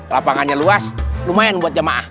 lapangannya luas lumayan buat jemaah